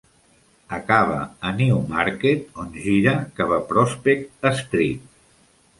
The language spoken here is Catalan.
Acaba a Newmarket, on gira cap a Prospect Street.